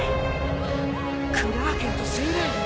クラーケンとセイレーン。